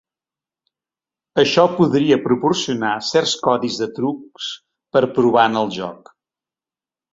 Això podia proporcionar certs codis de trucs per provar en el joc.